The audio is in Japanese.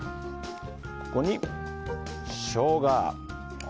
ここに、しょうが。